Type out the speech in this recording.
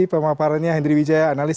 pemaparannya hendry wijaya analis